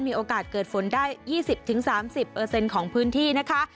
มีโอกาสเกิดฝนได้๒๐๓๐ของพื้นที่นะคะ